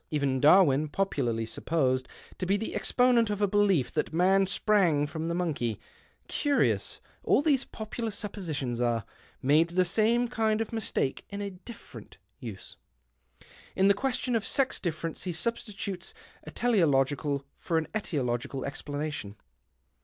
Even Darwin — popularly supposed to be the exponent of a belief that man sprang from the monkey — curious all these popular suppositions are — made the same kind of mistake in a different use. In the question of sex difference he substitutes a teleological for an etiological explanation."